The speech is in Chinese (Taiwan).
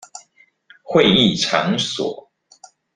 會議場所